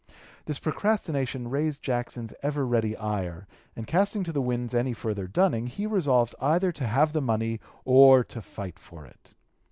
This procrastination raised Jackson's ever ready ire, and casting to the winds any further dunning, he resolved either to have the money or to fight for it.